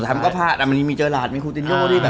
สุดท้ายมันก็พลาดแต่มันยังมีเจอราดมีคูตินโย